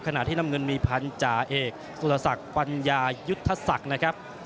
ขณะที่น้ำเงินมีพันธาเอกสุรศักดิ์ปัญญายุทธศักดิ์นะครับ